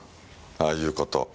ああいう事。